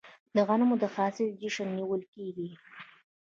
د غنمو د حاصل جشن نیول کیږي.